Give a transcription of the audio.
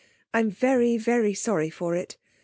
I'm very, very sorry for it.